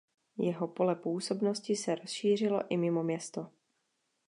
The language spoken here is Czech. Jeho pole působnosti se rozšířilo i mimo město.